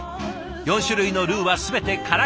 ４種類のルーは全て辛口。